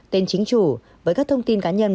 tên chính chủ với các thông tin cá nhân